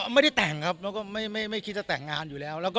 ไม่คิดว่าจะแต่งงานอยู่แล้ว